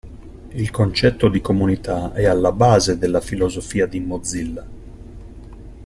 Il concetto di comunità è alla base della filosofia di Mozilla.